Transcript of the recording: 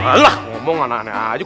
alah ngomong anak anak aja